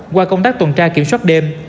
qua công tác tuần tra kiểm soát đêm